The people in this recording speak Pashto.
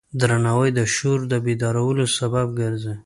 درناوی د شعور د بیدارولو سبب ګرځي.